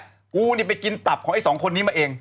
กูนี่ไปกินตับของไอ้สองคนนี้มาเอง